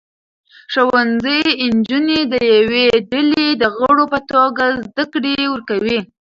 ښوونځي نجونې د یوې ډلې د غړو په توګه زده کړې ورکوي.